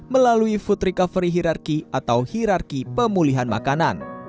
melalui food recovery hirarki atau hirarki pemulihan makanan